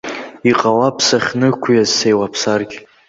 Иҟалап сахьнықәиаз сеилаԥсаргь.